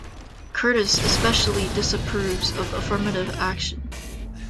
Curtis especially disapproves of affirmative action.